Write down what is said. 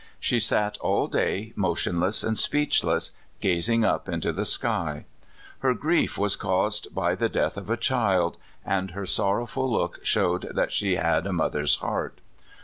She sat all day motionless and speechless, gazing up into the sky. Her grief was caused by the death of a child, and her sorrowful look showed that she had a mother's heart.